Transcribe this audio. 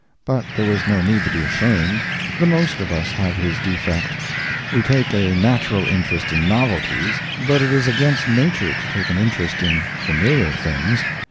But there was no need to be ashamed. The most of us have his defect. We take a natural interest in novelties, but it is against nature to take an interest in familiar things.